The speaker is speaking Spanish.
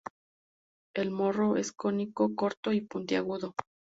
El morro es cónico, corto y puntiagudo.